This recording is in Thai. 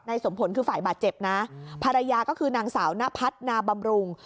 สมผลคือฝ่ายบาดเจ็บนะภรรยาก็คือนางสาวนพัฒนาบำรุง